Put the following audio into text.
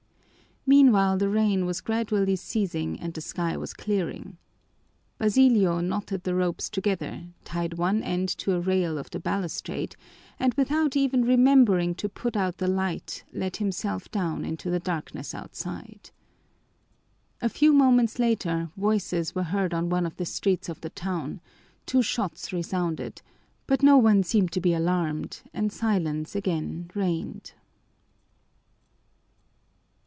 Meanwhile, the rain was gradually ceasing and the sky was clearing. Basilio knotted the ropes together, tied one end to a rail of the balustrade, and without even remembering to put out the light let himself down into the darkness outside. A few moments later voices were heard on one of the streets of the town, two shots resounded, but no one seemed to be alarmed and silence again reigned.